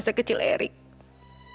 sekarang ada segala ceritanya